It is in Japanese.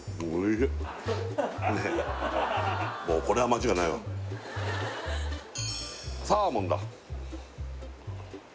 しっこれは間違いないわサーモンだ